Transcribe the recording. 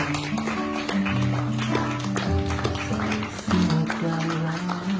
ดีจริง